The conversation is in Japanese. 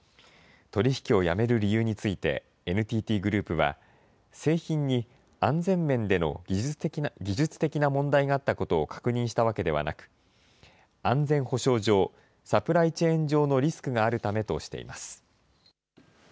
取り引きをやめる理由についてＮＴＴグループは、製品に安全面での技術的な問題があったことを確認したわけではなく、安全保障上、サプライチェーン上のリスクがあるためとしています。